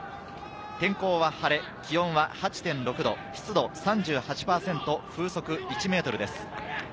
天候は晴れ、気温は８．６度、湿度３８％、風速１メートルです。